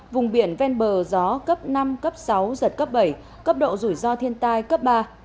vùng biển ven bờ gió cấp năm cấp sáu giật cấp bảy cấp độ rủi ro thiên tai cấp ba